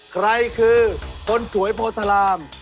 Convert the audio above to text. ใครคือคนสวยโพธาราม